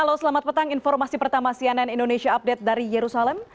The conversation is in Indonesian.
halo selamat petang informasi pertama cnn indonesia update dari yerusalem